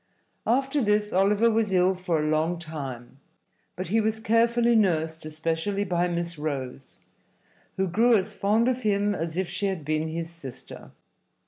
After this Oliver was ill for a long time, but he was carefully nursed, especially by Miss Rose, who grew as fond of him as if she had been his sister.